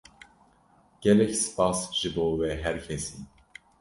Gelek spas ji bo we her kesî.